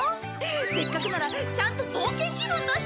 せっかくならちゃんと冒険気分出して行こうよ！